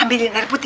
ambilin air putih